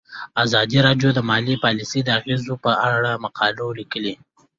ازادي راډیو د مالي پالیسي د اغیزو په اړه مقالو لیکلي.